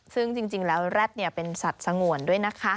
ซึ่งจริงแล้วแร็ดเป็นสัตว์สงวนด้วยนะคะ